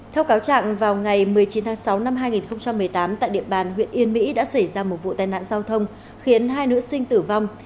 theo cáo trạng vào ngày một mươi chín tháng sáu năm hai nghìn một mươi tám tại địa bàn huyện yên mỹ đã xảy ra một vụ tai nạn giao thông khiến hai nữ sinh tử vong